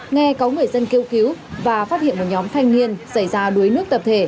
nghe có người dân kêu cứu và phát hiện một nhóm thanh niên xảy ra đuối nước tập thể